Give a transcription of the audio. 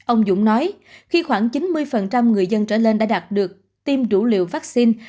ông dũng nói khi khoảng chín mươi người dân trở lên đã đạt được tiêm đủ liều vaccine